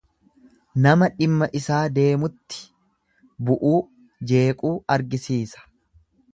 Nama dhimma isaa deemutti bu'uu, jeequu argisiisa.